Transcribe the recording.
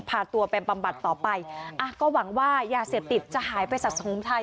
พาตัวไปปรับปรับต่อไปก็หวังว่ายาเสียบติดจะหายไปสักท้องไทย